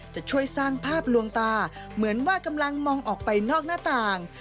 จะช่วยสร้างภาพลวงตาเหมือนว่ากำลังมองออกไปนอกหน้าต่าง